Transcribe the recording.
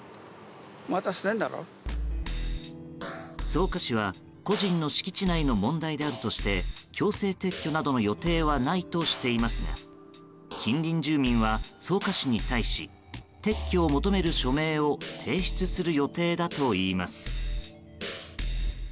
草加市は個人の敷地内の問題であるとして強制撤去などの予定はないとしていますが近隣住民は、草加市に対し撤去を求める署名を提出する予定だといいます。